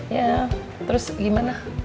ya terus gimana